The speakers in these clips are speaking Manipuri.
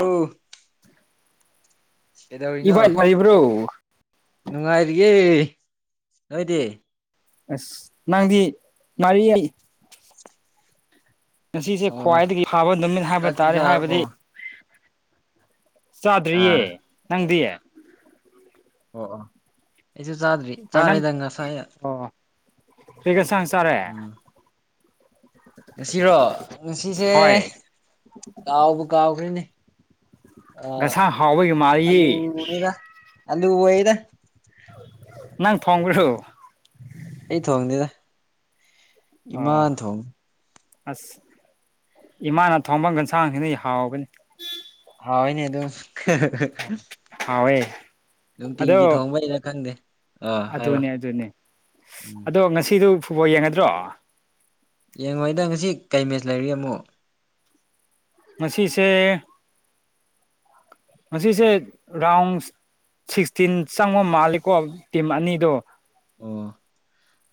ꯑꯎ ꯀꯩꯗꯧꯔꯤꯅꯣ ꯏꯕꯥꯏ ꯂꯩꯕ꯭ꯔꯣ ꯅꯨꯡꯉꯥꯏꯔꯤꯌꯦ ꯅꯣꯏꯗꯤ ꯑꯁ ꯅꯪꯗꯤ ꯉꯥꯔꯤꯌꯦ ꯉꯁꯤꯁꯦ ꯑꯣ ꯈ꯭ꯋꯥꯏꯗꯒꯤ ꯐꯕ ꯅꯨꯃꯤꯠ ꯍꯥꯏꯕ ꯆꯥꯛꯇꯤ ꯇꯥꯔꯦ ꯆꯥꯔꯕꯣ ꯍꯥꯏꯕꯗꯤ ꯆꯥꯗ꯭ꯔꯤꯌꯦ ꯑꯥ ꯅꯪꯗꯤ ꯑꯣ ꯑꯣ ꯑꯩꯁꯨ ꯆꯥꯗ꯭ꯔꯤ ꯆꯥꯔꯦꯗꯪ ꯉꯁꯥꯏꯅ ꯀꯩꯒ ꯁꯥꯡ ꯆꯥꯔꯦ ꯎꯝ ꯉꯁꯤꯔꯣ ꯉꯁꯤꯁꯦ ꯍꯣꯏ ꯀꯥꯎꯕꯨ ꯀꯥꯎꯈꯔ꯭ꯦꯅꯦ ꯉꯁꯥꯡ ꯍꯥꯎꯕꯒꯤ ꯃꯥꯜꯂꯤꯌꯦ ꯑꯂꯨꯅꯤꯗ ꯑꯂꯨ ꯑꯣꯏꯗ ꯅꯪ ꯊꯣꯡꯕꯔꯣ ꯑꯩ ꯊꯣꯡꯗꯦꯗ ꯑꯣ ꯏꯃꯥꯅ ꯊꯣꯡꯉꯤ ꯑꯁ ꯏꯃꯥꯅ ꯊꯣꯡꯕ ꯌꯦꯟꯁꯥꯡꯁꯤꯗꯤ ꯍꯥꯎꯒꯅꯤ ꯍꯥꯎꯏꯅꯦ ꯑꯗꯨꯨꯝ ꯍꯥꯎꯋꯦ ꯅꯨꯡꯇꯤꯒꯤ ꯑꯗꯣ ꯊꯣꯡꯕꯩꯔ ꯈꯪꯗꯦ ꯑꯥ ꯍꯥꯏꯔꯣ ꯑꯗꯨꯅꯦ ꯑꯗꯨꯅꯦ ꯎꯝ ꯑꯗꯣ ꯉꯁꯤꯗꯨ ꯐꯨꯠꯕꯣꯜ ꯌꯦꯡꯒꯗ꯭ꯔꯣ ꯌꯦꯡꯉꯣꯏꯗ ꯉꯁꯤ ꯀꯩ ꯃꯦꯠꯆ ꯂꯩꯔꯦ ꯑꯃꯨꯛ ꯉꯥꯁꯤꯁꯦ ꯃꯁꯤꯁꯦ ꯔꯥꯎꯟꯁ ꯁꯤꯛꯁꯇꯤꯟ ꯆꯪꯕ ꯃꯥꯜꯂꯤꯀꯣ ꯇꯤꯝ ꯑꯅꯤꯗꯨ ꯑꯣ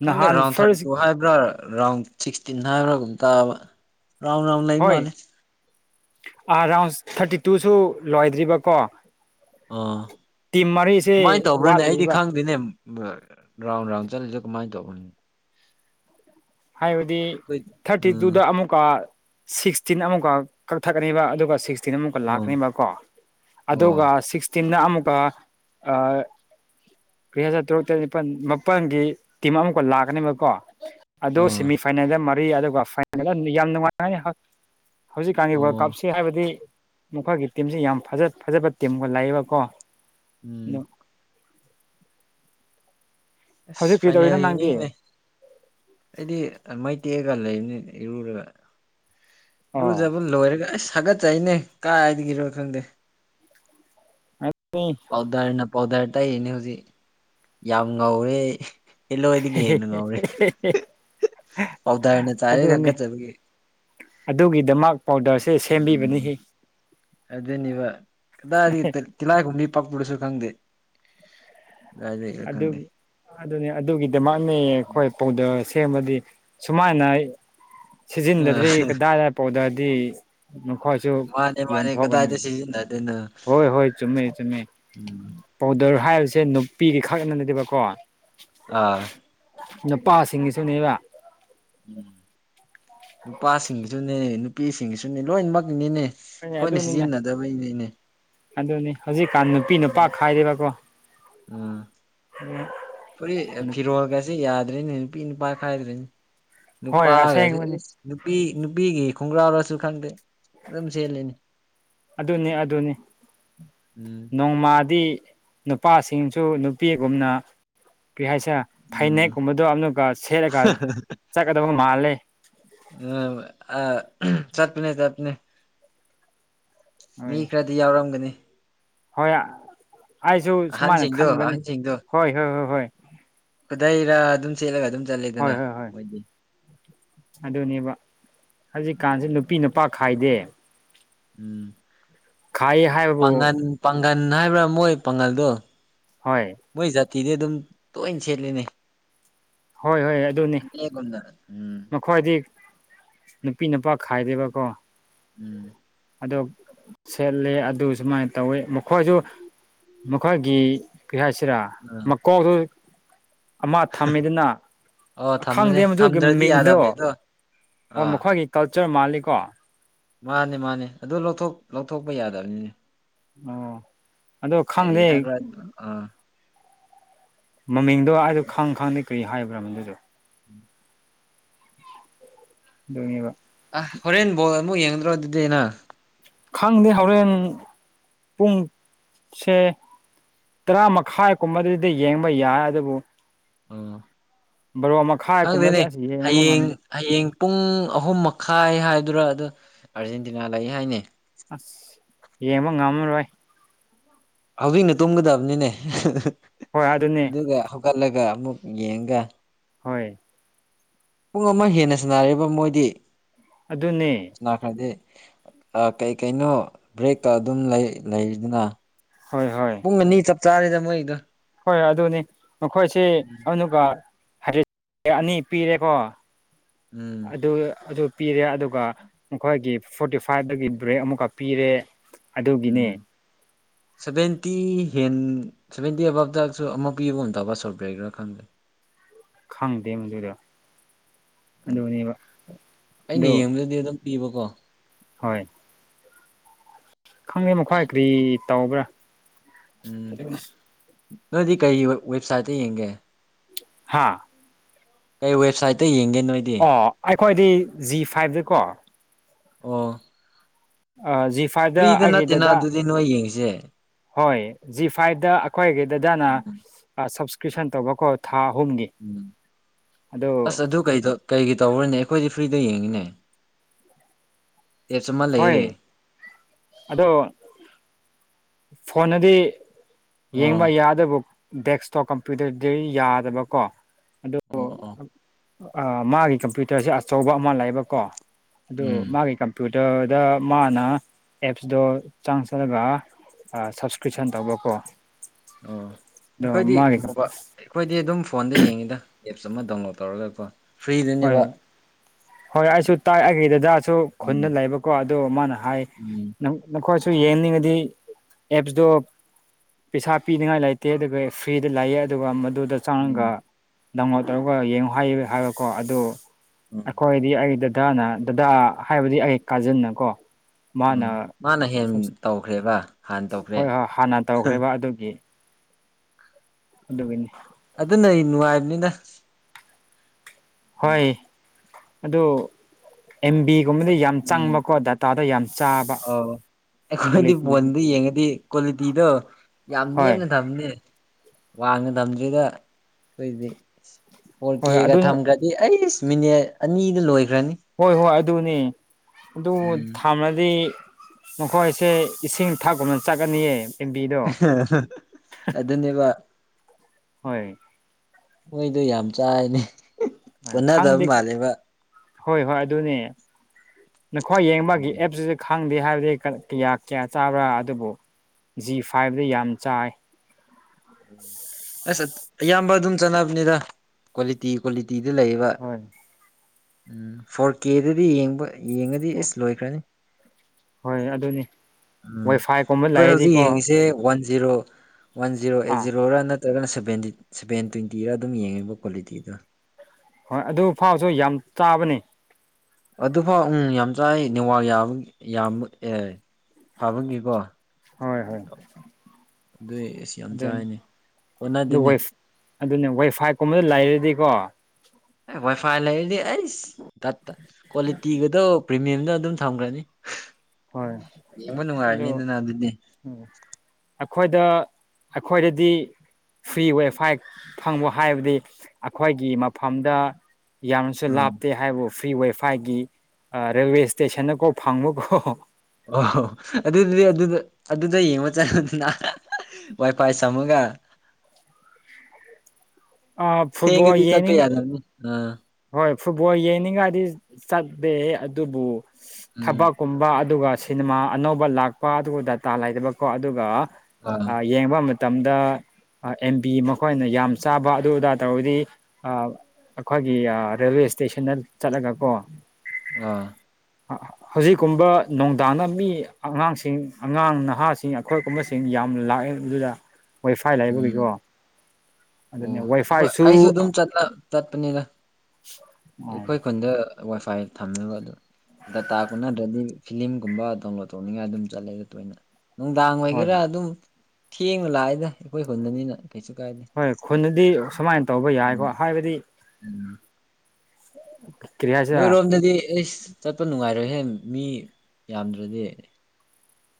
ꯈꯪꯗꯦ ꯔꯥꯎꯟ ꯊꯥꯔꯇꯤ ꯐꯥꯔꯁ ꯇꯨ ꯍꯥꯏꯕ꯭ꯔꯥ ꯔꯥꯎꯟ ꯁꯤꯛꯁꯇꯤꯟ ꯍꯥꯏꯕ꯭ꯔꯥꯒꯨꯝ ꯇꯥꯕ ꯔꯥꯎꯟ ꯔꯥꯎꯟ ꯂꯩꯕꯥ ꯍꯣꯏ ꯃꯥꯂꯦ ꯔꯥꯎꯟ ꯊꯥꯔꯇꯤ ꯇꯨꯁꯨ ꯂꯣꯏꯗ꯭ꯔꯤꯕꯀꯣ ꯑꯥ ꯇꯤꯝ ꯀꯃꯥꯏꯅ ꯃꯔꯤꯁꯦ ꯇꯧꯕ꯭ꯔꯥꯅꯦ ꯑꯩꯗꯤ ꯋꯥꯠꯂꯤꯕ ꯈꯪꯗꯦꯅꯦ ꯔꯥꯎꯟ ꯔꯥꯎꯟ ꯆꯠꯂꯤꯗꯣ ꯀꯃꯥꯏ ꯇꯧꯒꯅꯤ ꯍꯥꯏꯕꯗꯤ ꯑꯩꯈꯣꯏ ꯊꯥꯔꯇꯤ ꯎꯝ ꯇꯨꯗ ꯑꯃꯨꯛ ꯁꯤꯛꯁꯇꯤꯟ ꯑꯃꯨꯛꯀꯥ ꯀꯛꯊꯠꯀꯅꯤꯕ ꯑꯗꯨꯒ ꯁꯤꯛꯇꯤꯟ ꯑꯃꯨꯛꯀꯥ ꯑꯣ ꯂꯥꯛꯀꯅꯤꯕꯥꯀꯣ ꯑꯣ ꯑꯗꯨꯒ ꯁꯤꯛꯁꯇꯤꯟꯗꯥ ꯑꯃꯨꯛꯀꯥ ꯀꯔꯤ ꯍꯥꯏꯖꯤꯔꯥ ꯇꯔꯨꯛ ꯇꯔꯦꯠ ꯅꯤꯄꯥꯜ ꯃꯥꯄꯜꯒꯤ ꯇꯤꯝ ꯑꯃꯨꯛꯀꯥ ꯂꯥꯛꯀꯅꯦꯕꯀꯣ ꯑꯗꯨ ꯑꯥ ꯁꯤꯃꯤ ꯐꯥꯏꯅꯦꯜꯗ ꯃꯔꯤ ꯑꯗꯨꯒ ꯐꯥꯏꯅꯦꯜꯗ ꯌꯥꯝ ꯅꯨꯡꯉꯥꯏꯅꯤ ꯍꯧꯖꯤꯛꯀꯥꯟꯒꯤ ꯋꯥꯔꯜ ꯑꯣ ꯀꯞꯁꯤ ꯍꯥꯏꯕꯗꯤ ꯃꯈꯣꯏꯒꯤ ꯇꯤꯝꯁꯤ ꯌꯥꯝ ꯐꯖꯥ ꯐꯖꯥꯕ ꯇꯤꯝ ꯑꯣꯏꯅꯥ ꯂꯛꯑꯦꯕꯥꯀꯣ ꯎꯝ ꯑꯁ ꯍꯧꯖꯤꯛ ꯀꯔꯤ ꯐꯥꯏꯅꯦꯜ ꯇꯧꯔꯤꯅꯣ ꯅꯪꯗꯤ ꯌꯦꯡꯅꯤꯡꯔꯦ ꯑꯩꯗꯤ ꯃꯩ ꯇꯤꯛꯑꯒꯥ ꯂꯩꯕꯅꯤ ꯏꯔꯨꯔꯒ ꯑꯣ ꯏꯔꯨꯖꯕ ꯂꯣꯏꯔꯒ ꯑꯁ ꯍꯥꯒꯠꯆꯩꯅꯦ ꯀꯥꯏꯗꯒꯤꯔꯣ ꯈꯪꯗꯦ ꯄꯥꯎꯗꯔꯅ ꯄꯥꯎꯗꯔ ꯇꯩꯔꯤꯅꯦ ꯍꯧꯖꯤꯛ ꯌꯥꯝ ꯉꯧꯔꯦ ꯍꯤꯂꯣꯏꯗꯒꯤ ꯍꯦꯟꯅ ꯉꯥꯎꯔꯦ ꯄꯥꯎꯗꯔꯅ ꯆꯥꯏꯔꯦ ꯑꯗꯨꯅꯤ ꯍꯥꯀꯠꯆꯕꯒꯤ ꯑꯗꯨꯒꯤꯗꯃꯛ ꯄꯥꯎꯗꯔ ꯎꯝ ꯑꯗꯨꯅꯦꯕ ꯀꯗꯥꯏꯗꯒꯤ ꯇꯤꯂꯥꯏ ꯈꯨꯝꯕꯤ ꯄꯛꯄꯥꯔꯁꯨ ꯈꯪꯗꯦ ꯀꯗꯥꯏꯗꯒꯤꯔ ꯈꯪꯗꯦ ꯑꯗꯨꯝ ꯑꯗꯨꯅꯦ ꯑꯗꯨꯒꯤꯗꯃꯛꯅꯦ ꯑꯩꯈꯣꯏ ꯄꯥꯎꯗꯔ ꯁꯦꯝꯕꯗꯤ ꯁꯨꯃꯥꯏꯅ ꯑ ꯁꯤꯖꯤꯟꯗꯗ꯭ꯔꯤ ꯀꯗꯥꯏꯗꯏ ꯄꯥꯎꯗꯔꯗꯤ ꯃꯈꯣꯏꯁꯨ ꯌꯣꯟꯊꯣꯛꯀꯅꯤ ꯅꯥꯗꯦꯅꯥ ꯍꯣꯏ ꯍꯣꯏ ꯆꯨꯝꯃꯦ ꯆꯨꯝꯃꯦ ꯄꯥꯎꯗꯔ ꯍꯥꯏꯕꯁꯦ ꯅꯨꯄꯤꯒꯤ ꯈꯛ ꯅꯠꯇꯦꯕꯥꯀꯣ ꯑꯥ ꯅꯨꯄꯥꯁꯤꯡꯒꯤꯁꯨꯅꯦꯕ ꯅꯨꯄꯥꯁꯤꯡꯒꯤꯁꯨꯅꯦ ꯅꯨꯄꯤꯁꯤꯡꯒꯤꯁꯨꯅꯦ ꯂꯣꯏꯅꯃꯛꯀꯤꯅꯦ ꯈꯣꯏꯅꯥ ꯑꯗꯨꯅꯤꯅ ꯁꯤꯖꯤꯅꯗꯕꯩꯅꯤꯅꯦ ꯑꯗꯨꯅꯤ ꯍꯧꯖꯤꯛꯀꯥꯟ ꯅꯨꯄꯤ ꯅꯨꯄꯥ ꯈꯥꯏꯗꯦꯕꯀꯣ ꯎꯝ ꯐꯨꯔꯤꯠ ꯐꯤꯔꯣꯟ ꯒꯥꯁꯦ ꯌꯥꯗꯔꯦꯅꯦ ꯅꯨꯄꯤ ꯅꯨꯄꯥ ꯈꯥꯏꯗꯔ꯭ꯦꯅꯦ ꯍꯣꯏ ꯅꯨꯄꯥꯒꯁꯦ ꯑꯁꯦꯡꯕꯅꯤ ꯅꯨꯄꯤ ꯅꯨꯄꯤꯒꯤ ꯈꯣꯡꯒ꯭ꯔꯥꯎꯔꯁꯨ ꯈꯪꯗꯦ ꯑꯗꯨꯝ ꯁꯦꯠꯂꯦ ꯑꯗꯨꯅꯤ ꯑꯗꯨꯅꯤ ꯎꯝ ꯅꯣꯡꯃꯥꯗꯤ ꯅꯨꯄꯥꯁꯤꯡꯁꯨ ꯅꯨꯄꯤꯒꯨꯝꯅ ꯀꯔꯤ ꯍꯥꯏꯁꯤꯔꯥ ꯎꯝ ꯐꯅꯦꯛꯀꯨꯝꯕꯗꯣ ꯑꯃꯨꯛꯀꯥ ꯁꯦꯠꯂꯒ ꯆꯠꯀꯗꯕ ꯃꯥꯜꯂꯦ ꯎꯝ ꯑꯥ ꯆꯠꯄꯅꯦ ꯆꯠꯄꯅꯦ ꯃꯤ ꯍꯣꯏ ꯈꯔꯗꯤ ꯌꯥꯎꯔꯝꯒꯅꯤ ꯍꯣꯏ ꯑꯩꯁꯨ ꯁꯨꯃꯥꯏꯅ ꯑꯍꯟꯁꯤꯡꯗꯣ ꯈꯟꯕꯅꯤ ꯍꯣꯏ ꯍꯣꯏ ꯍꯣꯏ ꯍꯣꯏ ꯈꯨꯗꯩꯔꯥ ꯑꯗꯨꯝ ꯁꯦꯠꯂꯒ ꯑꯗꯨꯝ ꯆꯠꯂꯤꯗꯅ ꯃꯣꯏꯗꯤ ꯑꯗꯨꯅꯤꯕ ꯍꯧꯖꯤꯛꯀꯥꯟꯁꯤ ꯅꯨꯄꯤ ꯅꯨꯄꯥ ꯈꯥꯏꯗꯦ ꯎꯝ ꯈꯥꯏꯌꯦ ꯍꯥꯏꯕꯕꯨ ꯄꯥꯒꯟ ꯄꯥꯡꯒꯟ ꯍꯥꯏꯕ꯭ꯔꯥ ꯃꯣꯏ ꯄꯥꯡꯒꯜꯗꯣ ꯍꯣꯏ ꯃꯣꯏ ꯖꯥꯇꯤꯗꯤ ꯑꯗꯨꯝ ꯇꯣꯏꯅ ꯁꯦꯠꯂꯤꯅꯦ ꯍꯣꯏ ꯍꯣꯏ ꯑꯗꯨꯅꯤ ꯐꯅꯦꯛꯒꯨꯝꯅ ꯎꯝ ꯃꯥꯈꯣꯏꯗꯤ ꯅꯨꯄꯤ ꯅꯨꯄꯥ ꯈꯥꯏꯗꯦꯕꯀꯣ ꯎꯝ ꯑꯗꯨ ꯁꯦꯠꯂꯦ ꯑꯗꯨ ꯁꯨꯃꯥꯏꯅ ꯇꯧꯋꯤ ꯃꯈꯣꯏꯁꯨ ꯃꯈꯣꯏꯒꯤ ꯀꯩ ꯍꯥꯏꯁꯤꯔꯥ ꯎꯝ ꯀꯣꯛꯁꯨ ꯑꯃꯥ ꯊꯝꯃꯤ ꯑꯣ ꯊꯝꯃꯅꯦ ꯈꯪꯗꯦ ꯃꯗꯨꯒꯤ ꯊꯝꯗ꯭ꯔꯗꯤ ꯃꯤꯡꯗꯣ ꯌꯥꯗꯕꯅꯤꯗꯣ ꯑꯣ ꯑꯥ ꯃꯈꯣꯏ ꯒꯤ ꯀꯜꯆꯔ ꯃꯥꯜꯂꯤꯀꯣ ꯃꯥꯅꯦ ꯃꯥꯅꯦ ꯑꯗꯨ ꯂꯧ ꯂꯧꯊꯣꯛꯄ ꯌꯥꯗꯕꯅꯤꯅꯦ ꯑꯣ ꯑꯗꯣ ꯑꯦꯔꯤ ꯈꯪꯗꯦ ꯍꯥꯏꯕ ꯑ ꯃꯃꯤꯡꯗꯣ ꯍꯥꯏꯗꯣ ꯈꯪ ꯈꯪꯗꯦ ꯀꯔꯤ ꯍꯥꯏꯕ꯭ꯔꯥ ꯃꯗꯨꯗꯣ ꯎꯝ ꯑꯗꯨꯣꯏꯅꯦꯕ ꯑ ꯍꯣꯔꯦꯟ ꯕꯣꯜ ꯑꯃꯨꯛ ꯌꯦꯡꯗ꯭ꯔꯣ ꯑꯗꯨꯗꯤ ꯅ ꯈꯥꯡꯗꯦ ꯍꯣꯔꯦꯟ ꯄꯨꯡꯁꯦ ꯇꯔꯥ ꯃꯈꯥꯏꯒꯨꯝꯕꯗꯨꯗ ꯌꯦꯡꯕ ꯌꯥꯏ ꯑꯗꯨꯕꯨ ꯑꯣ ꯕꯔꯣ ꯃꯈꯥꯏ ꯀꯨꯝꯕꯗꯤ ꯈꯪꯗꯦꯅꯦ ꯑꯁ ꯌꯦꯡꯉꯕ ꯍꯌꯦꯡ ꯉꯝꯗꯦ ꯍꯌꯦꯡ ꯄꯨꯡ ꯑꯍꯨꯝ ꯃꯈꯥꯏ ꯍꯥꯏꯗꯨꯔ ꯑꯗꯨ ꯑꯥꯔꯖꯦꯟꯇꯤꯅꯥ ꯂꯩ ꯍꯥꯏꯅꯦ ꯑꯁ ꯌꯦꯡꯕ ꯉꯝꯃꯔꯣꯏ ꯍꯧꯖꯤꯛꯅ ꯇꯨꯝꯒꯗꯕꯅꯤꯅꯦ ꯍꯣꯏ ꯑꯗꯨꯅꯦ ꯑꯗꯨꯒ ꯍꯧꯒꯠꯂꯒ ꯑꯃꯨꯛ ꯌꯦꯡꯒ ꯍꯣꯏ ꯄꯨꯡ ꯑꯃ ꯍꯦꯟꯅ ꯁꯥꯟꯅꯔꯛꯕ ꯃꯣꯏꯗꯤ ꯑꯗꯨꯅꯦ ꯅꯥ ꯈꯔꯗꯤ ꯀꯩꯀꯩꯅꯣ ꯕ꯭ꯔꯦꯛꯇ ꯑꯗꯨꯝ ꯂꯩꯗꯅ ꯍꯣꯏ ꯍꯣꯏ ꯄꯨꯡ ꯑꯅꯤ ꯆꯞ ꯆꯥꯔꯤꯗ ꯃꯣꯏꯗꯣ ꯍꯣꯏꯣꯏ ꯑꯗꯨꯅꯤ ꯃꯈꯣꯏꯁꯤ ꯑꯗꯨꯒ ꯍꯥꯏꯗꯦꯠ ꯑꯅꯤ ꯄꯤꯔꯦꯀꯣ ꯎꯝ ꯑꯗꯨ ꯑꯗꯨ ꯄꯤꯔꯦ ꯑꯗꯨꯒ ꯃꯈꯣꯏꯒꯤ ꯐꯣꯔꯇꯤ ꯐꯥꯏꯚꯇꯒꯤ ꯕ꯭ꯔꯦꯛ ꯑꯃꯨꯛꯀ ꯄꯤꯔꯦ ꯑꯗꯨꯒꯤꯅꯤ [unintelligible] ꯁꯕꯦꯟꯇꯤ ꯍꯦꯟ ꯁꯕꯦꯟꯇꯤ ꯑꯕꯥꯞꯇꯁꯨ ꯑꯃ ꯄꯤꯕꯒꯝꯇꯕ ꯁꯣꯔꯠ ꯕ꯭ꯔꯦꯛꯔꯥ ꯈꯪꯗ꯭ꯔꯦ ꯈꯪꯗꯦ ꯃꯗꯨꯗ ꯎꯝ ꯑꯩꯅ ꯑꯗꯨ ꯌꯦꯡꯕꯗꯗꯤ ꯑꯗꯨꯝ ꯄꯤꯕꯀꯣ ꯍꯣꯏ ꯈꯪꯗꯦ ꯃꯈꯋꯥ ꯀꯔꯤ ꯇꯧꯕ꯭ꯔꯥ ꯎꯝ ꯅꯣꯏꯗꯤ ꯀꯔꯤ ꯋꯦꯕꯁꯥꯏꯠꯇ ꯌꯦꯡꯒꯦ ꯍꯥꯥ ꯀꯩ ꯋꯦꯕꯁꯥꯏꯠꯇ ꯌꯦꯡꯒꯦ ꯅꯣꯏꯗꯤ ꯑꯣ ꯑꯩꯈꯣꯏꯗꯤ ꯖꯤ ꯐꯥꯏꯚꯗꯤꯀꯣ ꯑꯣ ꯖꯤꯐꯥꯏꯚꯗ ꯐ꯭ꯔꯤꯗ ꯑꯩꯒꯤ ꯅꯠꯇꯦꯅ ꯗꯗꯥ ꯑꯗꯨꯗꯤ ꯅꯣꯏ ꯌꯦꯡꯉꯁꯦ ꯍꯣꯏ ꯖꯤ ꯐꯥꯏꯚꯇ ꯑꯩꯈꯣꯏꯒꯤꯩ ꯗꯗꯥꯅ ꯎꯝ ꯁꯞꯁꯀ꯭ꯔꯤꯞꯁꯟ ꯇꯧꯕꯀꯣ ꯊꯥ ꯑꯍꯨꯝꯒꯤ ꯑꯗꯣ ꯑꯁ ꯑꯗꯨ ꯀꯩꯒꯤ ꯇꯧꯨꯔꯅꯦ ꯑꯩꯈꯣꯏꯗꯤ ꯐ꯭ꯔꯤꯗꯣ ꯌꯦꯡꯉꯤꯅꯦ ꯑꯦꯞꯁ ꯑꯃ ꯍꯣꯏ ꯂꯩꯌꯦ ꯑꯗꯣ ꯐꯣꯟꯅꯗꯤ ꯑꯣ ꯌꯦꯡꯕ ꯌꯥꯗꯕ ꯗꯦꯛꯁ ꯑꯣ ꯀꯝꯄ꯭ꯌꯨꯇꯔꯗꯤ ꯌꯥꯗꯕꯀꯣ ꯑꯗꯨ ꯑꯣ ꯑꯣ ꯃꯥꯒꯤ ꯀꯝꯄ꯭ꯌꯨꯇꯔꯁꯦ ꯑꯆꯧꯕ ꯑꯃ ꯂꯩꯌꯦꯕꯀꯣ ꯑꯗꯨ ꯎꯝ ꯃꯥꯒꯤ ꯀꯝꯄ꯭ꯌꯨꯇꯔꯗ ꯃꯥꯅ ꯑꯦꯞꯁꯇꯣ ꯆꯪꯁꯜꯂꯒ ꯑ ꯁꯕꯁꯀ꯭ꯔꯤꯞꯁꯟ ꯇꯧꯕꯀꯣ꯫ ꯑꯣ ꯑꯗꯣ ꯑꯩꯈꯣꯏꯗꯤ ꯃꯥꯒꯤ ꯃꯣꯕ ꯑꯩꯈꯣꯏꯗꯤ ꯑꯗꯨꯝ ꯐꯣꯟꯗ ꯌꯦꯡꯉꯤꯗ ꯑꯦꯞꯁ ꯑꯃ ꯗꯥꯎꯟꯂꯣꯗ ꯇꯧꯔꯒ ꯑꯩꯀꯣ ꯑꯗꯨꯅꯦꯕ ꯍꯣꯏ ꯍꯣꯏ ꯑꯩꯁꯨ ꯇꯥꯏ ꯑꯩꯒꯤ ꯗꯗꯥꯁꯨ ꯈꯨꯟꯗ ꯎꯝ ꯂꯩꯕꯀꯣ ꯑꯗꯣ ꯃꯥꯅ ꯍꯥꯏ ꯎꯝ ꯅꯈꯣꯏꯁꯨ ꯌꯦꯡꯅꯤꯡꯉꯗꯤ ꯑꯦꯞꯁꯇꯣ ꯄꯩꯁꯥ ꯄꯤꯅꯤꯡꯉꯥꯏ ꯂꯩꯇꯦ ꯑꯗꯨꯒ ꯐ꯭ꯔꯤꯗ ꯂꯑꯦ ꯑꯗꯨꯒ ꯃꯗꯨꯗ ꯆꯥꯡꯒ ꯎꯝ ꯗꯥꯎꯟꯂꯣꯗ ꯇꯧꯔꯒ ꯌꯦꯡꯉꯨ ꯍꯥꯏ ꯍꯥꯏꯕꯀꯣ ꯑꯗꯨ ꯎꯝ ꯑꯩꯈꯣꯏꯗꯤ ꯑꯩꯗ ꯗꯗꯥꯅ ꯗꯗꯥ ꯍꯥꯏꯕꯗꯤ ꯑꯩ ꯀꯥꯖꯤꯟꯅ ꯀꯣ ꯃꯥꯅ ꯎꯝ ꯃꯥꯅ ꯍꯦꯟ ꯍꯣꯏ ꯇꯧꯈ꯭ꯔꯦꯕ ꯍꯥꯟꯅ ꯇꯧꯈ꯭ꯔꯦ ꯍꯣꯏ ꯍꯥꯟꯅ ꯇꯧꯈ꯭ꯔꯦꯕ ꯑꯗꯨꯒꯤ ꯑꯗꯨꯒꯤꯅꯤ ꯑꯗꯨ ꯅ ꯅꯨꯡꯉꯥꯏꯕꯅꯤꯅ ꯍꯣꯏ ꯑꯗꯨ ꯑꯦꯝꯕꯤ ꯀꯒꯨꯝꯕꯗ ꯌꯥꯝ ꯎꯝ ꯆꯪꯕꯀꯣ ꯗꯗꯥꯇꯥꯗ ꯌꯥꯝ ꯆꯥꯕ ꯑꯣ ꯑꯩꯈꯣꯏꯗꯤ ꯀ꯭ꯋꯥꯂꯤꯇꯤꯒꯤ ꯐꯣꯟꯗ ꯌꯦꯡꯉꯗꯤ ꯀ꯭ꯋꯥꯂꯤꯇꯤꯗꯣ ꯌꯥꯝ ꯍꯣꯏ ꯅꯦꯝꯅ ꯊꯝꯅꯦ꯫ ꯋꯥꯡꯅ ꯊꯝꯗ꯭ꯔꯤꯗ ꯑꯩꯈꯣꯏꯗꯤ ꯐꯣꯔ ꯍꯣꯏ ꯀꯦꯒ ꯑꯗꯨꯅ ꯊꯝꯒ ꯑꯦ ꯑꯩꯁ ꯃꯤꯅꯤꯠ ꯑꯅꯤꯗ ꯂꯣꯏꯈ꯭ꯔꯅꯤ ꯍꯣꯏ ꯍꯣꯏ ꯑꯗꯨꯅꯦ ꯑꯗꯨ ꯎꯝ ꯊꯥꯔꯝꯗꯤ ꯃꯈꯣꯏꯁꯦ ꯏꯁꯤꯡ ꯊꯥꯛꯀꯨꯝꯅ ꯆꯥꯛꯀꯅꯤꯌꯦ꯫ ꯑꯗꯨꯅꯦꯕ꯫ ꯍꯣꯏ꯫ ꯃꯣꯏꯗꯣ ꯌꯥꯝ ꯆꯥꯏꯅꯤ꯫ ꯀꯣꯟꯅꯗꯕ ꯈꯪꯗꯦ ꯃꯥꯜꯂꯦꯕ ꯍꯣꯏ ꯍꯣꯏ ꯑꯗꯨꯅꯦ꯫ ꯅꯈ꯭ꯣꯏ ꯌꯦꯡꯕ ꯃꯥꯒꯤ ꯎꯝ ꯑꯦꯞꯁꯤꯗ꯫ ꯈꯪꯗꯦ ꯍꯥꯏꯕꯗꯤ ꯀꯌꯥ ꯀꯌꯥ ꯆꯥꯕ꯭ꯔꯥ ꯑꯗꯨꯕꯨ ꯖꯤ ꯐꯥꯏꯚꯗꯤ ꯌꯥꯝ ꯆꯥꯏ꯫ ꯑꯁ ꯑꯌꯥꯝꯕ ꯑꯗꯨꯝ ꯆꯠꯅꯕꯅꯤꯗ꯫ ꯀ꯭ꯋꯥꯂꯤꯇꯤ ꯀ꯭ꯋꯥꯂꯤꯇꯤꯗ ꯂꯩꯕ ꯍꯣꯏ ꯎ ꯐꯣꯔ ꯀꯦꯗꯗꯤ ꯌꯦꯡꯕ ꯌꯦꯡꯉꯗꯤ ꯑꯦꯁ ꯂꯣꯏꯈ꯭ꯔꯅꯤ꯫ ꯍꯣꯏ ꯑꯗꯨꯅꯤ ꯎꯝ ꯋꯥꯏꯐꯥꯏꯒꯨꯝꯕ ꯑꯩꯈꯣꯏ ꯍꯧꯖꯤꯛ ꯂꯩꯔꯗꯤꯀꯣ ꯌꯦꯡꯉꯁꯦ one zero. One zero eight ꯑꯥ ꯖꯤꯔꯣꯔꯥ ꯅꯠꯇ꯭ꯔꯒꯅ ꯁꯕꯦꯟ ꯁꯕꯦꯟ ꯇ꯭ꯋꯦꯟꯇꯤꯔꯥ ꯑꯗꯨꯝ ꯌꯦꯡꯉꯦꯕ ꯀ꯭ꯋꯥꯂꯤꯇꯤꯗꯣ꯫ ꯍꯣꯏ ꯑꯗꯨ ꯐꯥꯎꯁꯨ ꯌꯥꯝ ꯆꯥꯕꯅꯤ꯫ ꯑꯗꯨꯐꯥꯎ ꯎꯝ ꯌꯥꯝ ꯆꯥꯏ ꯅꯤꯋꯥꯕ ꯌꯥꯝ ꯑꯦ ꯐꯥꯕꯒꯤꯀꯣ꯫ ꯍꯣꯏ ꯍꯣꯏ꯫ ꯑꯗꯨꯏ ꯑꯦꯁꯤ ꯌꯥꯝ ꯑꯗꯨꯅꯤ ꯆꯥꯥꯏꯅꯦ ꯑꯗꯨ ꯀꯣꯟꯅꯗꯤꯅꯦ꯫ ꯋꯥꯏꯐ ꯑꯗꯨꯅꯦ ꯋꯥꯏ ꯐꯥꯏꯒꯨꯝꯕꯗ ꯂꯩꯔꯗꯤꯀꯣ꯫ ꯑꯦ ꯋꯥꯏꯐꯥꯏ ꯂꯩꯔꯗꯤ ꯑꯩꯁ ꯗ ꯀ꯭ꯋꯥꯂꯤꯇꯤꯒꯗꯣ꯫ ꯄ꯭ꯔꯤꯃꯤꯌꯝꯗ ꯑꯗꯨꯝ ꯊꯝꯈ꯭ꯔꯅꯤ ꯍꯣꯏ ꯌꯦꯡꯕ ꯑꯗꯨ ꯅꯨꯡꯉꯥꯏꯔꯅꯤꯗꯅ ꯑꯗꯨꯗꯤ꯫ ꯎꯝ ꯑꯩꯈꯣꯏꯗ ꯑꯩꯈꯣꯏꯗꯗꯤ꯫ ꯐ꯭ꯔꯤ ꯋꯥꯏꯐꯥꯏ ꯐꯪꯕ ꯍꯥꯏꯕꯗꯤ ꯑꯩꯈꯣꯏꯒꯤ ꯃꯐꯝꯗ꯫ ꯌꯥꯝꯅꯁꯨ ꯑꯥ ꯂꯥꯞꯇꯦ ꯍꯥꯏꯕꯨ꯫ ꯐ꯭ꯔꯤ ꯋꯥꯏꯐꯥꯏꯒꯤ ꯔꯦꯜꯋꯦ ꯏꯁꯇꯦꯁꯟꯅꯀꯣ ꯐꯪꯕꯀꯣ꯫ ꯑꯣ ꯑꯗꯨꯗꯤ ꯑꯗꯨꯗ꯫ ꯑꯗꯨꯗ ꯌꯦꯡꯕ ꯆꯠꯉꯅꯤꯅ ꯋꯥꯏ ꯐꯥꯏ ꯆꯝꯃꯒ꯫ ꯐꯨꯠꯕꯣꯜ ꯊꯦꯡꯒꯗꯤ ꯆꯄꯤ ꯌꯦꯡꯅꯤꯡ ꯌꯥꯔꯅꯤ ꯑ꯫ ꯍꯣꯏ ꯐꯨꯠꯕꯣꯜ ꯌꯦꯡꯅꯤꯡꯉꯥꯏꯗꯤ ꯆꯠꯇꯂꯦ ꯑꯗꯨꯕꯨ ꯎꯝ ꯊꯕꯛ__ ꯀꯨꯝꯕ ꯑꯗꯨꯒ ꯁꯤꯅꯦꯃꯥ ꯑꯅꯧꯕ ꯂꯥꯛꯄ ꯑꯗꯨꯒ ꯗꯇꯥ ꯂꯩꯇꯕꯀꯣ ꯑꯗꯨꯒ__ ꯑ ꯌꯦꯡꯕ ꯃꯇꯝꯗ__ ꯑꯦꯝꯕꯤ ꯃꯈꯣꯏꯅ ꯌꯥꯝ ꯆꯥꯕ ꯑꯗꯨ ꯑꯗꯥ ꯇꯧꯔꯒꯗꯤ ꯑ ꯑꯩꯈꯣꯏ__ ꯔꯦꯜꯋꯦ ꯏꯁꯇꯦꯁꯟꯗ ꯆꯠꯂꯒ ꯀꯣ꯫ ꯑ ꯑ ꯑ ꯍꯧꯖꯤꯛꯀꯨꯝꯕ ꯅꯨꯡꯗꯥꯡꯅ ꯃꯤ ꯑꯉꯥꯡꯁꯤꯡ ꯑꯉꯥꯡ ꯅꯍꯥꯁꯤꯡ ꯑꯩꯈꯣꯏꯒꯨꯝꯕ__ ꯇ ꯌꯥꯝ ꯂꯥꯛꯑꯦ ꯑꯗꯨꯗ꯫ ꯋꯥꯏꯐꯥꯏ ꯎꯝ ꯂꯥꯛꯕꯒꯤꯀꯣ ꯑꯗꯨꯅꯦ ꯋꯥꯏꯐꯥꯏꯁꯨ ꯆꯠ ꯆꯠꯄꯅꯤꯅ ꯍ ꯑꯩꯈꯣꯏ ꯈꯨꯟꯗ ꯋꯥꯏꯐꯥꯏ ꯊꯝꯃꯦꯕ ꯑꯗꯨꯗ ꯗꯗꯥꯇꯥꯒꯨꯝꯅꯗ꯭ꯔꯗꯤ ꯐꯤꯂꯝꯒꯨꯝꯕ ꯗꯥꯎꯟꯂꯣꯗ ꯇꯧꯅꯤꯡꯉꯥꯏ ꯑꯗꯨꯝ ꯆꯠꯂꯦꯗ ꯇꯅ ꯅꯨꯡꯗꯥꯡ ꯍꯣꯏ ꯑꯣꯏꯒꯦꯔꯥ ꯑꯗꯨꯝ ꯊꯦꯡꯅ ꯂꯥꯛꯏꯗ ꯑꯩꯈꯣꯏ ꯍꯨꯟꯗꯅꯤꯅ ꯀꯩꯁꯨ ꯀꯥꯏꯗꯦ ꯍꯣꯏ ꯈꯨꯟꯗꯗꯤ ꯁꯨꯃꯥꯏꯅ ꯇꯧꯕ ꯌꯥꯏꯀꯣ ꯎꯝ ꯍꯥꯏꯕꯗꯤ ꯎꯝ ꯑꯣ ꯅꯣꯏꯔꯣꯝꯗꯗꯤ ꯑꯦꯁ ꯆꯠꯄ ꯅꯨꯡꯉꯥꯏꯔꯣꯏꯍꯦ ꯃꯤ ꯌꯥꯝꯗ꯭ꯔꯗꯤ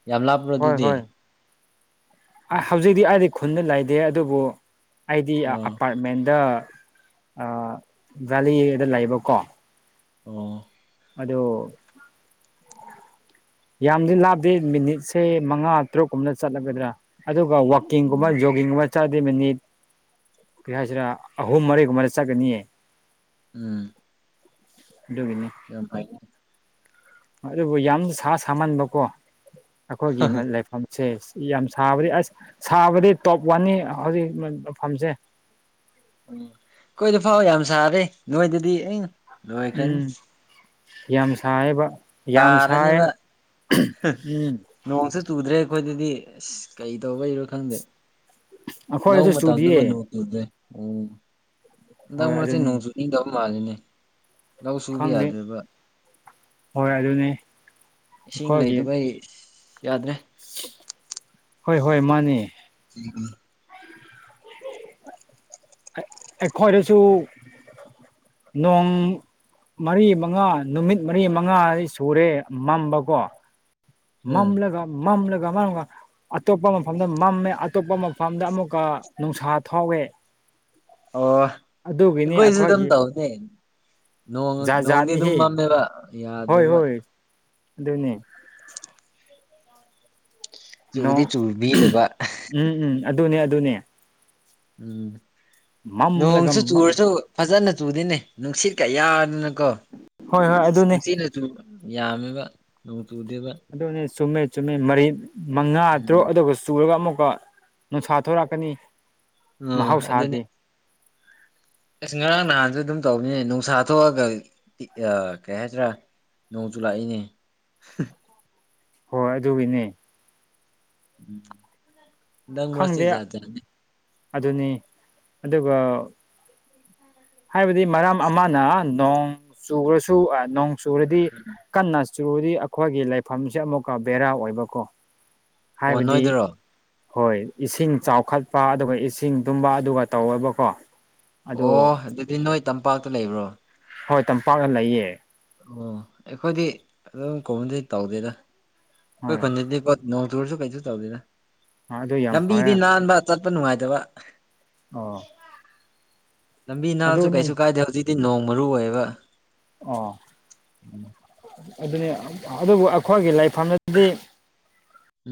ꯌꯥꯝ ꯂꯥꯞꯄ꯭ꯔꯣ ꯍꯣꯏ ꯑꯗꯨꯗꯤ ꯍꯣꯏ ꯍꯧꯖꯤꯛꯇꯤ ꯑꯩꯗꯤ ꯈꯨꯟꯗ ꯂꯩꯇꯦ ꯑꯗꯨꯕꯨ ꯑꯩꯗꯤ ꯑꯣ ꯑꯄꯥꯔꯠꯃꯦꯟꯗ ꯑ ꯚꯦꯂꯤꯗ ꯂꯩꯌꯦꯕꯀꯣ ꯑꯣ ꯑꯗꯣ ꯌꯥꯝꯗꯤ ꯂꯥꯞꯇꯦ ꯃꯤꯅꯤꯠꯁꯦ ꯃꯉꯥ ꯇꯔꯨꯛꯀꯨꯝꯅ ꯆꯠꯂꯒꯗ꯭ꯔꯥ ꯑꯗꯨꯒ ꯋꯥꯋꯥꯛꯀꯤꯡꯒꯨꯝꯕ ꯎꯝ ꯖꯣꯒꯤꯡꯒꯨꯝꯕ ꯆꯠꯗꯣꯏ ꯃꯤꯅꯤꯠ ꯀꯩ ꯍꯥꯏꯁꯤꯔ ꯑꯍꯨꯝ ꯃꯔꯤꯒꯨꯝꯕꯗ ꯆꯠꯒꯅꯤꯌꯦ ꯎꯝ ꯒꯅꯤ ꯐꯥꯏ ꯑꯗꯨꯕꯨ ꯌꯥꯝ ꯁꯥ ꯁꯥꯃꯟꯕꯀꯣ ꯑꯩꯈꯣꯏꯒꯤ ꯃꯝꯁꯦ ꯌꯥꯝ ꯁꯥꯕꯗꯤ ꯑꯁ ꯁꯥꯕꯗꯤ ꯇꯣꯞ ꯋꯥꯟꯅꯤ ꯍꯧꯖꯤꯛ ꯃ ꯐꯝꯁꯦ ꯎꯝ ꯀꯣꯏꯗ ꯐꯥꯎ ꯌꯥꯝ ꯁꯥꯔꯦ ꯅꯣꯏꯗꯗꯤ ꯑ ꯎꯝ ꯌꯥꯝ ꯁꯥꯏꯕ ꯌꯥꯝ ꯁꯥꯏ ꯇꯥꯔꯅꯤꯕ ꯎꯝ ꯅꯣꯡꯁꯨ ꯆꯨꯗ꯭ꯔꯦ ꯑꯩꯈꯣꯏꯗꯗꯤ ꯑꯁ ꯀꯩ ꯇꯧꯕ ꯍꯔꯣ ꯈꯪꯗꯦ ꯂꯧꯕ ꯑꯩꯈꯣꯏꯗꯁꯨ ꯃꯇꯝꯗ ꯀꯅꯣ ꯆꯨꯗꯤꯌꯦ ꯑꯣ ꯑꯗ ꯍꯣꯏ ꯃꯗꯤ ꯑꯗꯨꯅꯤ ꯅꯍꯧꯁꯨꯅꯤ ꯇꯥꯎ ꯃꯥ ꯍꯥꯜꯂꯤꯅꯦ ꯂꯧ ꯁꯨꯕ ꯈꯪꯗꯦ ꯌꯥꯗ꯭ꯔꯦꯕ ꯍꯣꯏ ꯑꯗꯨꯅꯦ ꯏꯁꯤꯡ ꯂꯩꯗꯕꯩ ꯌꯥꯗ꯭ꯔꯦ ꯍꯣꯏ ꯍꯣꯏ ꯃꯥꯅꯤ ꯊꯣ ꯑꯩꯈꯣꯏꯗꯁꯨ ꯅꯣꯡ ꯃꯔꯤ ꯃꯉꯥ ꯅꯨꯃꯤꯠ ꯃꯔꯤ ꯃꯉꯥ ꯁꯨꯔꯦ ꯃꯝꯕꯀꯣ ꯎꯝ ꯃꯝꯂꯒ ꯃꯝꯂꯒ ꯃꯝꯂꯒ ꯑꯇꯣꯞꯄ ꯃꯐꯝꯗ ꯃꯝꯃꯦ ꯑꯇꯣꯞꯄ ꯃꯐꯝꯗ ꯑꯃꯨꯛꯀ ꯅꯨꯡꯁꯥ ꯊꯥꯎꯋꯦ ꯑꯣ ꯀꯣꯏꯁꯨꯗꯝ ꯑꯩꯈꯣꯏꯒꯤ ꯇ ꯍꯧꯅꯦ ꯖꯥꯠ ꯅꯣꯡꯗꯤ ꯑꯗꯨꯝ ꯖꯥꯠꯅꯤꯍꯦ ꯃꯝꯃꯦꯕ ꯍꯣꯏ ꯌꯥꯗ꯭ꯔꯦꯕ ꯍꯣꯏ ꯑꯗꯨꯅꯤ ꯅꯣ ꯆꯨꯗꯤ ꯆꯨꯕꯤꯗꯕ ꯎꯝ ꯎꯝ ꯑꯗꯨꯅꯦ ꯑꯗꯨꯅꯦ ꯎꯝ ꯃꯝꯂꯒ ꯅꯣꯡꯣꯡꯁꯨ ꯆꯨꯔꯁꯨ ꯐꯖꯅ ꯆꯨꯗꯅꯦ ꯅꯨꯡꯁꯤꯠ ꯀꯌꯥꯅꯤꯅꯀꯣ ꯍꯣꯏ ꯍꯣꯏ ꯑꯗꯨꯅꯤ ꯅꯨꯡꯁꯤꯠ ꯌꯥꯝꯃꯦꯕ ꯅꯣꯡꯇꯨꯗꯦꯕ ꯑꯗꯨꯅꯦ ꯆꯨꯝꯃꯦ ꯆꯨꯝꯃꯦ ꯃꯔꯤ ꯃꯉꯥ ꯎꯝ ꯇꯔꯨꯛ ꯑꯗꯨꯒ ꯆꯨꯔꯒ ꯑꯃꯨꯛꯀ ꯅꯨꯁꯥꯊꯣꯔꯛꯀꯅꯤ ꯎ ꯑꯗꯨ ꯑꯁ ꯉꯔꯥꯡ ꯅꯍꯥꯟꯁꯨ ꯑꯗꯨꯝ ꯇꯧꯕꯅꯦ ꯅꯨꯡꯁꯥ ꯊꯣꯛꯑꯒ ꯀꯩ ꯍꯥꯏꯗ꯭ꯔꯥ ꯅꯣꯡꯁꯨꯨ ꯂꯥꯛꯏꯅꯦ ꯍꯣꯏ ꯑꯗꯨꯒꯤꯅꯦ ꯎꯝ ꯖꯥꯠ ꯈꯪꯗꯦ ꯖꯥꯠ ꯅꯦ ꯑꯗꯨꯅꯤ ꯑꯗꯨꯒ ꯍꯥꯏꯕꯗꯤ ꯃꯔꯝ ꯑꯃꯅ ꯅꯣꯡ ꯆꯨꯔꯁꯨ ꯅꯣꯡ ꯆꯨꯔꯗꯤ ꯀꯟꯅ ꯆꯨꯔꯨꯗꯤ ꯑꯩꯈꯣꯏꯒꯤ ꯂꯩꯐꯝꯁꯦ ꯑꯃꯨꯛꯀ ꯕꯦꯔꯥ ꯑꯣꯏꯕꯀꯣ ꯑꯣ ꯍꯥꯏꯕꯗꯤ ꯅꯣꯏꯗꯔꯣ ꯍꯣꯏ ꯏꯁꯤꯡ ꯆꯥꯎꯈꯠꯄ ꯑꯗꯨꯒ ꯏꯁꯤꯡ ꯇꯨꯝꯕ ꯑꯗꯨꯒ ꯇꯧꯋꯦꯕꯀꯣ ꯑꯗꯨ ꯑꯣ ꯑꯗꯨꯗꯤ ꯅꯣꯏ ꯇꯝꯄꯥꯛꯇ ꯂꯩꯕ꯭ꯔꯣ ꯍꯣꯏ ꯇꯝꯄꯥꯛꯗ ꯂꯩꯌꯦ ꯑꯣ ꯑꯩꯈꯣꯏꯗꯤ ꯑꯗꯨꯝ ꯀꯣꯗꯤ ꯇꯧꯗꯦꯗ ꯀꯣꯏ ꯍꯣꯏ ꯈꯣꯟꯅꯤꯗꯤ ꯀ ꯅꯧ ꯇꯧꯔꯁꯨ ꯀꯩꯁꯨ ꯆꯧꯗꯅ ꯑꯗꯨ ꯌꯥꯝ ꯂꯝꯕꯤꯗꯤ ꯐꯔꯦ ꯅꯥꯟꯕ ꯆꯠꯄ ꯅꯨꯡꯉꯥꯏꯇꯕ ꯑꯣ ꯂꯝꯕꯤ ꯅꯥꯜꯁꯨ ꯑꯗꯨꯅꯤ ꯀꯩꯁꯨ ꯀꯥꯏꯗꯦ ꯍꯧꯖꯤꯛꯇꯤ ꯅꯣꯡ ꯃꯔꯨ ꯑꯣꯏꯌꯦꯕ ꯑꯣ ꯎꯝ ꯑꯗꯨꯅꯤ ꯑꯗꯨꯕꯨ ꯑꯩꯈꯣꯏꯒꯤ ꯂꯥꯏꯐꯝꯗꯗꯤ